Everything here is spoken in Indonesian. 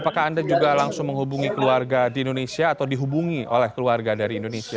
apakah anda juga langsung menghubungi keluarga di indonesia atau dihubungi oleh keluarga dari indonesia